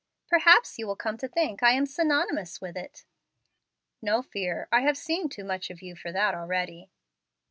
"Perhaps you will come to think I am synonymous with it." "No fear. I have seen too much of you for that already."